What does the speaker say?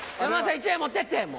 １枚持ってって。